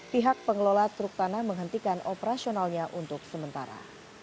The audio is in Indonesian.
pihak pengelola truk tanah menghentikan operasionalnya untuk sementara